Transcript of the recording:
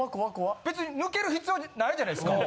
別に抜ける必要ないじゃないですか。